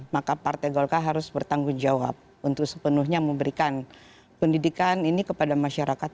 maka partai golkar harus bertanggung jawab untuk sepenuhnya memberikan pendidikan ini kepada masyarakat